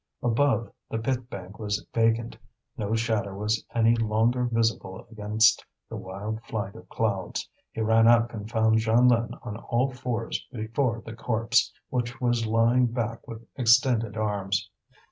Above, the pit bank was vacant; no shadow was any longer visible against the wild flight of clouds. He ran up and found Jeanlin on all fours before the corpse, which was lying back with extended arms.